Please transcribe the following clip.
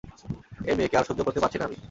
এই মেয়েকে আর সহ্য করতে পারছি না আমি।